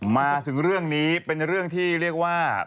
มาถึงเรื่องนี้เป็นเรื่องที่เรียกว่า